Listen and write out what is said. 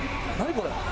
これ。